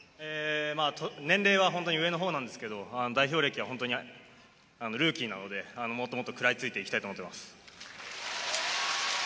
年齢は本当に上の方なんですけど、代表歴はルーキーなので、もっともっと食らいついていきたいと思っています。